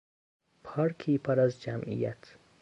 پارکی پر از جمعیت